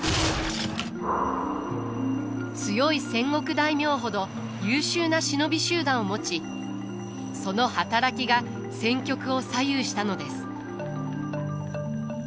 強い戦国大名ほど優秀な忍び集団を持ちその働きが戦局を左右したのです。